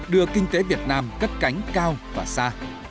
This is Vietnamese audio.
đưa kinh tế việt nam cất cánh cao và xa